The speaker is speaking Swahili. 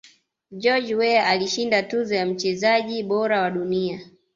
george Weah alishinda tuzo ya mchezaji bora wa dunia